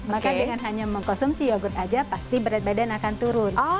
maka dengan hanya mengkonsumsi yogurt saja pasti berat badan akan turun